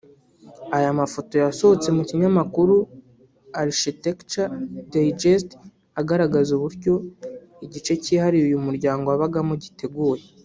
Aya mafoto yasohotse mu kinyamakuru Architectural Digest agaragaza uburyo igice cyihariye uyu muryango wabagamo giteguye